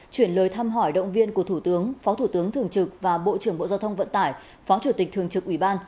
chuyển lời thăm hỏi động viên của thủ tướng phó thủ tướng thường trực và bộ trưởng bộ giao thông vận tải phó chủ tịch thường trực ủy ban